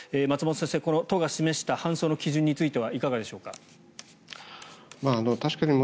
松本先生、この都が示した搬送の基準についてはいかがでしょうか。